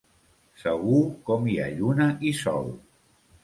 Segur com hi ha lluna i sol.